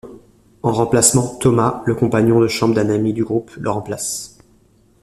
En remplacement, Thomas, le compagnon de chambre d'un ami du groupe, le remplace.